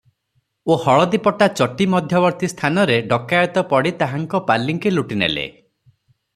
ଓ ହଳଦୀପଦା ଚଟି ମଧ୍ୟବର୍ତ୍ତୀ ସ୍ଥାନରେ ଡକାଏତ ପଡ଼ି ତାହାଙ୍କ ପାଲିଙ୍କି ଲୁଟି ନେଲେ ।